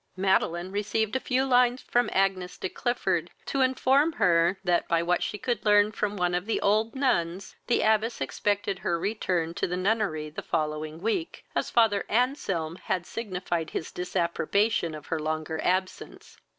Madeline received a few line from Agnes de Clifford, to inform her, that, by what she could learn from one of the old nuns, the abbess expected her return to the nunnery the following week, as father Anselm had signified his disapprobation of her longer absence.